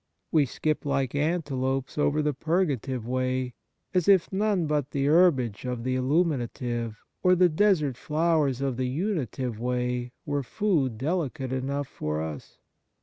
W^e skip like antelopes over the purgative way, as if none but the herbage of the illuminative, or the desert flowers of the unitive way, were food delicate enough for us.